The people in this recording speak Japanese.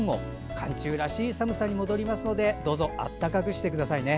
寒中らしい寒さに戻りますのでどうぞ暖かくしてくださいね。